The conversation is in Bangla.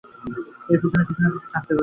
এর পেছনেও কিছু-না-কিছু থাকতে পারে।